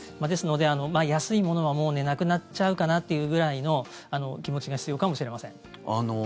ですので、安いものはなくなっちゃうかなというぐらいの気持ちが必要かもしれません。